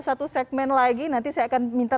satu segmen lagi nanti saya akan minta